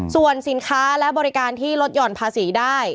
ส่วนสินค้าและบริการที่ลดหย่อนภาษีได้